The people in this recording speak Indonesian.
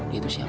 dia itu siapa